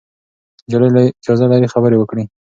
نجلۍ اجازه لري خبرې وکړي.